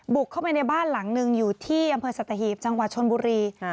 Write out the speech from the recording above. บุกเข้าไปในบ้านหลังหนึ่งอยู่ที่อำเภอสัตหีบจังหวัดชนบุรี